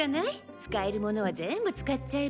使えるものは全部使っちゃえば。